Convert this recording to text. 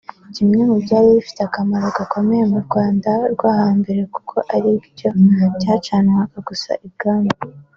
kimwe mu byari bifite akamaro gakomeye mu Rwanda rwo hambere kuko ari cyo cyacanwaga gusa i bwami